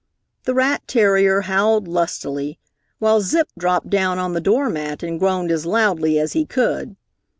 The rat terrier howled lustily, while Zip dropped down on the door mat and groaned as loudly as he could.